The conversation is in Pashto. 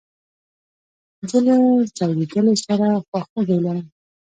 زه له ځورېدلو سره خواخوږي لرم.